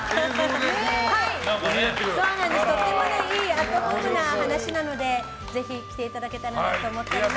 とてもいいアットホームな話なのでぜひ来ていただけたらなと思っています。